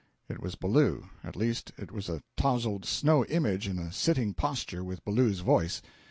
It was Ballou—at least it was a towzled snow image in a sitting posture, with Ballou's voice.